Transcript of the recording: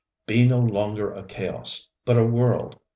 ŌĆ£Be no longer a Chaos, but a World.